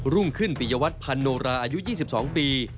รุ่งขึ้นปิยวัตรพันโนราอายุ๒๒ปี